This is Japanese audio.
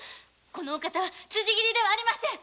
この方は辻斬りではありません。